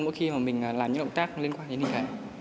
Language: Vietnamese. mỗi khi mình làm những động tác liên quan hình thể